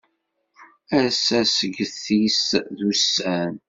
Ass asget-is d ussan.